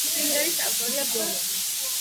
სიმღერის ავტორია ბონო.